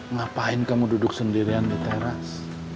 ngapain kamu duduk sendirian di teras